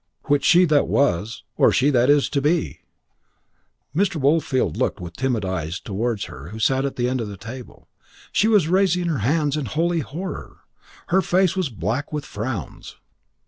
"Which, she that was, or she that is to be?" Mr. Woolfield looked with timid eyes towards her who sat at the end of the table. She was raising her hands in holy horror, and her face was black with frowns.